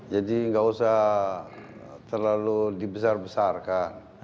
jadi nggak usah terlalu dibesar besarkan